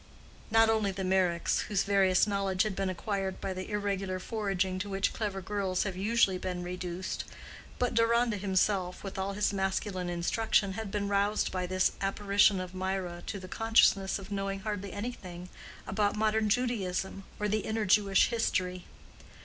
Not only the Meyricks, whose various knowledge had been acquired by the irregular foraging to which clever girls have usually been reduced, but Deronda himself, with all his masculine instruction, had been roused by this apparition of Mirah to the consciousness of knowing hardly anything about modern Judaism or the inner Jewish history.